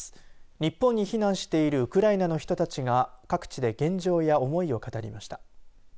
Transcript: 日本に避難しているウクライナの人たちが各地で現状や思いを語りました。